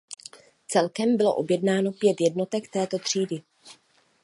Celkem bylo objednáno pět jednotek této třídy.